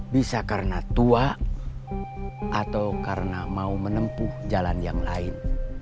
bisa karena tua atau karena mau menempuh jalan yang lain